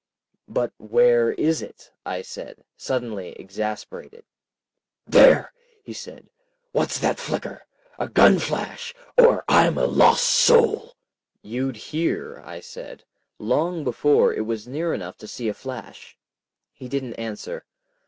"But where is it?" I said, suddenly exasperated. "There!" he said. "What's that flicker? A gunflash—or I'm a lost soul!" "You'd hear," I said, "long before it was near enough to see a flash." He didn't answer.